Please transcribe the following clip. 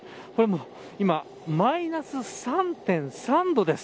今、マイナス３．３度です。